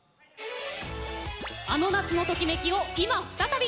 あの夏のときめきを今、再び。